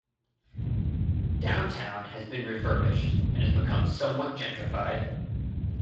Downtown has been refurbished and has become somewhat gentrified.